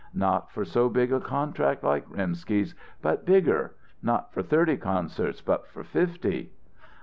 Not for so big a contract like Rimsky's, but bigger not for thirty concerts but for fifty!"